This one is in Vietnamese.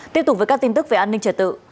tiếp tục với các tin tức về an ninh trật tự